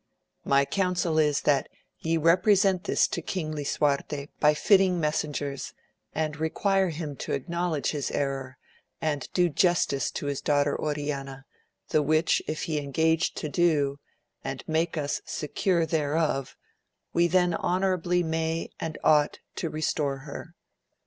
My coun sel is, that ye represent this to King Lisuarte by fitting messengers, and require him to acknowledge his error, and do justice to his daughter Oriana, the which if he engage to do, and make us secure thereof, we then honourably may and ought to restore her.